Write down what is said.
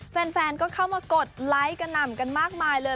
แฟนก็เข้ามากดไลค์กระหน่ำกันมากมายเลย